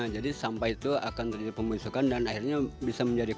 jadi sampah itu akan terjadi pemisukan dan akhirnya bisa menjadikan